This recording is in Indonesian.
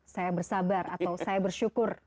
saya bersabar atau saya bersyukur